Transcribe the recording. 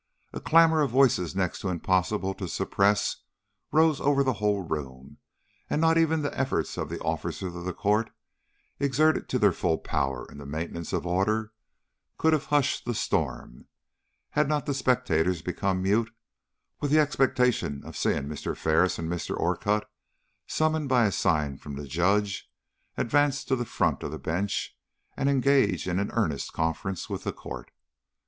A clamor of voices next to impossible to suppress rose over the whole room, and not even the efforts of the officers of the court, exerted to their full power in the maintenance of order, could have hushed the storm, had not the spectators become mute with expectation at seeing Mr. Ferris and Mr. Orcutt, summoned by a sign from the Judge, advance to the front of the bench and engage in an earnest conference with the Court.